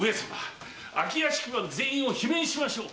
空き屋敷番全員を罷免しましょう。